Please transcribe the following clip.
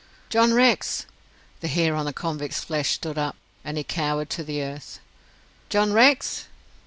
"John Rex!" The hair on the convict's flesh stood up, and he cowered to the earth. "John Rex?"